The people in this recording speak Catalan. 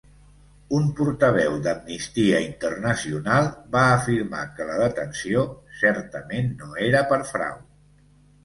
Un portaveu d'Amnistia Internacional va afirmar que la detenció "certament no era per frau".